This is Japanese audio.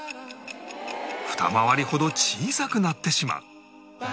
２回りほど小さくなってしまう